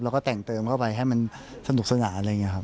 เราก็แต่งเติมเข้าไปให้มันสนุกสนา